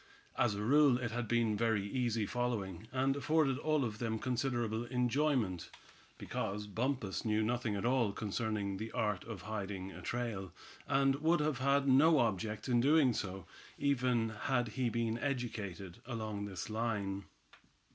As a rule it had been very easy following, and afforded all of them considerable enjoyment, because Bumpus knew nothing at all concerning the art of hiding a trail, and would have had no object in doing so, even had he been educated along this line.